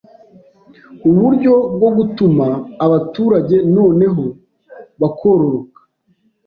uburyo bwo gutuma abaturage noneho bakororoka